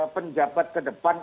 penjabat ke depan